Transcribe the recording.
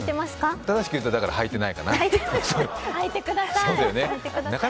正しく言うと履いてないかな。